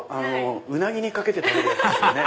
ウナギにかけて食べるやつですね。